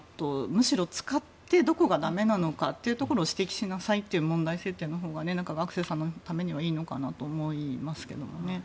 むしろ使ってどこが駄目なのかというところを指摘しなさいという問題設定のほうが学生さんのためにはいいのかなと思いますけどもね。